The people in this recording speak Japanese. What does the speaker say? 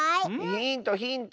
ヒントヒント！